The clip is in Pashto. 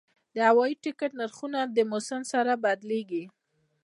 د هوایي ټکټ نرخونه د موسم سره بدلېږي.